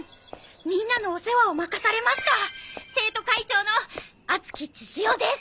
みんなのお世話を任されました生徒会長の阿月チシオです！